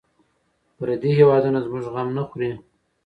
پردي هېوادونه زموږ غم نه خوري.